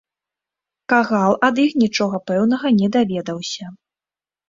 Кагал ад іх нічога пэўнага не даведаўся.